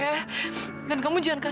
aku pengen punggung kamu